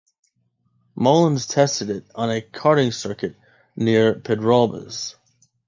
Molons tested it on a karting circuit near Pedralbes.